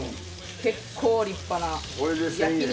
結構立派な。